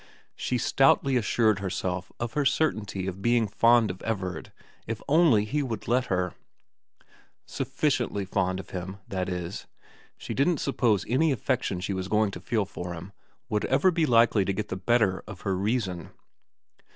She stoutly assured herself of her certainty of being fond of Everard if only he would let her. Sufficiently fond of him, that is ; she didn't suppose any affection she was going to feel for him would ever be likely to get the better of her reason.